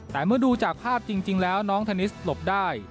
แต่เมื่อดูจากภาพจริงแล้วน้องเทนนิสหลบได้